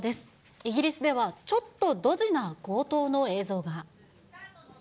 イギリスではちょっとドジな強盗の映像が。